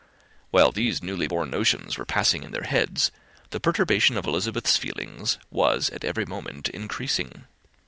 While these newly born notions were passing in their heads, the perturbation of Elizabeth's feelings was every moment increasing.